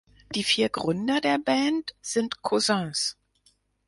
Die vier Gründer der Band sind Cousins.